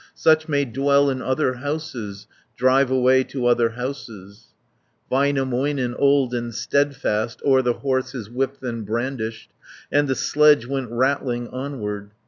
Such may dwell in other houses: Drive away to other houses." Väinämöinen, old and steadfast, O'er the horse his whip then brandished, 260 And the sledge went rattling onward.